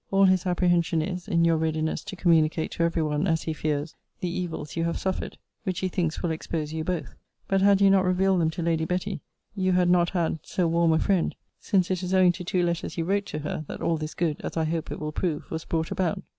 All his apprehension is, in your readiness to communicate to every one, as he fears, the evils you have suffered; which he thinks will expose you both. But had you not revealed them to Lady Betty, you had not had so warm a friend; since it is owing to two letters you wrote to her, that all this good, as I hope it will prove, was brought about.